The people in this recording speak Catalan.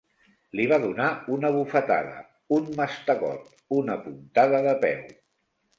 Li va donar una bufetada, un mastegot, una puntada de peu.